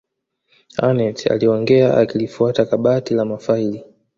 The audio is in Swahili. aneth aliongea akilifuata kabati la mafaili